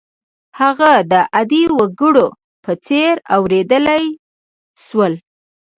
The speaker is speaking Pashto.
هغه د عادي وګړو په څېر اورېدلای شول.